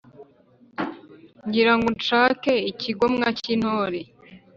Ngira ngo nshake ikigomwa cy’intore,